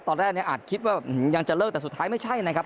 ตอนแรกเนี่ยอาจคิดว่ายังจะเลิกแต่สุดท้ายไม่ใช่นะครับ